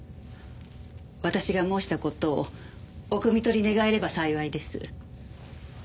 私が申した事をおくみ取り願えれば幸いです。